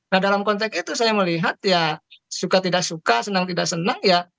nah dalam konteks itu saya melihat ya suka tidak suka senang tidak senang ya